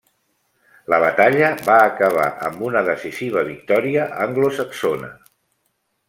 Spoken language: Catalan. La batalla va acabar amb una decisiva victòria anglosaxona.